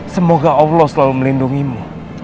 semoga allah selalu melindungimu